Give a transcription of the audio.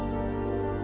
saya tidak tahu